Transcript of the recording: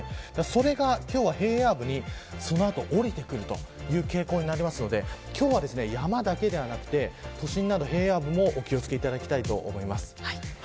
それが今日は平野部に降りてくるという傾向になりますので今日は山だけではなく、都心など平野部も気を付けていただきたいと思います。